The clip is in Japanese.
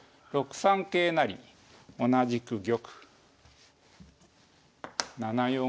６三桂成同じく玉７四